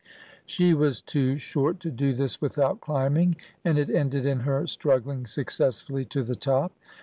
She was too short to do this without climbing, and it ended in her struggling successfully to the top.